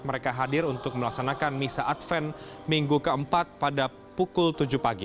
mereka hadir untuk melaksanakan misa advent minggu ke empat pada pukul tujuh pagi